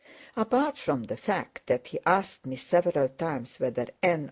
Apart from the fact that he had asked me several times whether N.